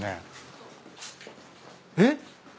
えっ？